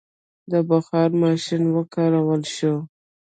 د بخار ماشین وکارول شو.